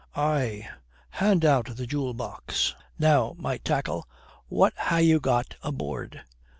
Ay, hand out the jewel box. Now, my tackle, what ha' you got aboard?